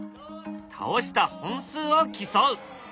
倒した本数を競う。